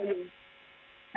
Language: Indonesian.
mungkin ada di